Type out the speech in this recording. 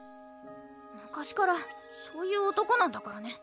昔からそういう男なんだからね。